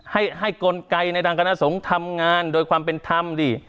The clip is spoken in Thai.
ให้กลไกในทางคณะสงฆ์ทำงานโดยความเป็นธรรมดิ